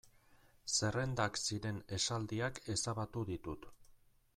Zerrendak ziren esaldiak ezabatu ditut.